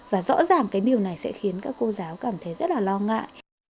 và rõ ràng cái điều này sẽ khiến các cô giáo cảm thấy rất là lo ngại